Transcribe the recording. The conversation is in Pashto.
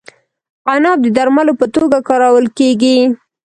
عناب د درملو په توګه کارول کیږي.